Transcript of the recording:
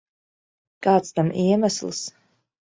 Kāds tam iemesls?